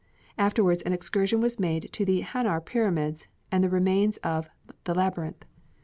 Afterwards an excursion was made to the Hanar pyramids and the remains of the Labyrinth.